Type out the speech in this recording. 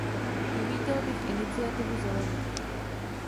Uvítal bych iniciativu Zelených.